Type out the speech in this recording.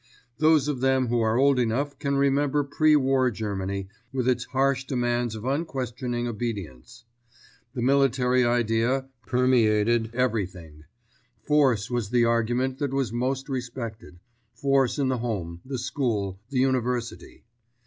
Those of them who are old enough can remember pre war Germany, with its harsh demands of unquestioning obedience. The military idea permeated everything. Force was the argument that was most respected—force in the home, the school, the university.